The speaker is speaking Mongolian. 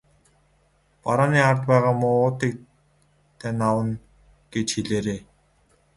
Барааны ард байгаа муу уутыг тань авна гэж хэлээрэй.